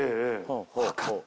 分かった。